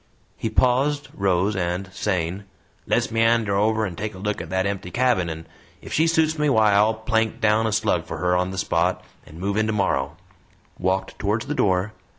He paused, rose, and saying, "Let's meander over and take a look at that empty cabin, and ef she suits me, why, I'll plank down a slug for her on the spot, and move in tomorrow," walked towards the door.